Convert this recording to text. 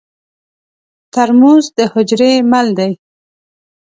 ترموز د حجرې مل دی.